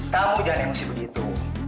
kamu jangan emosi begitu